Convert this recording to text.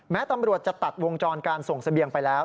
ตำรวจจะตัดวงจรการส่งเสบียงไปแล้ว